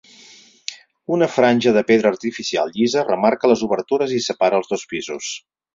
Una franja de pedra artificial llisa remarca les obertures i separa els dos pisos.